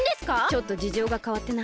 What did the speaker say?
ちょっとじじょうがかわってな。